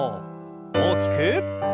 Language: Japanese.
大きく。